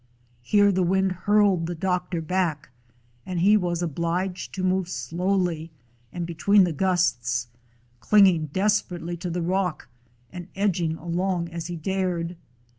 Here the wind hurled the doctor back, and he was obliged to move slowly and between the gusts, clinging desperately to the rock and edging along as he dared.